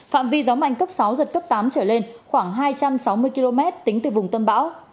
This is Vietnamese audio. phạm vi gió mạnh cấp sáu giật cấp tám trở lên khoảng hai trăm sáu mươi km tính từ vùng tâm bão